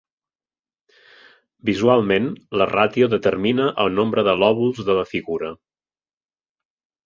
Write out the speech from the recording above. Visualment, la ràtio determina el nombre de "lòbuls" de la figura.